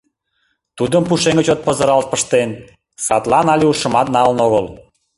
Тудым пушеҥге чот пызырал пыштен, садлан але ушымат налын огыл.